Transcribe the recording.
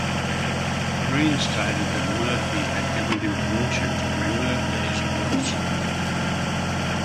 Green stated that Murphy had given him permission to remove these goods.